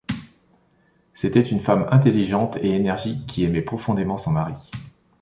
C'était une femme intelligente et énergique qui aimait profondément son mari.